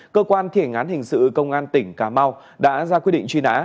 cơ quan thiển án hình sự công an tỉnh cà mau đã ra quyết định truy nã